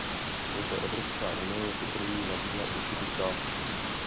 Proto Evropská unie jako první nabídla určitou částku.